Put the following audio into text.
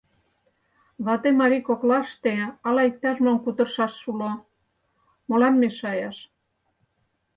Вате-марий коклаште ала иктаж-мом кутырышаш уло, молан мешаяш?